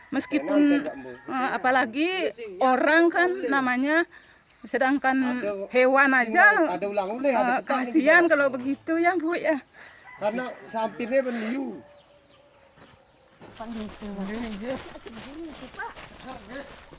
meskipun apalagi orang kan namanya sedangkan hewan aja kasihan kalau begitu ya